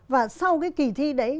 và sau cái kỳ thi đấy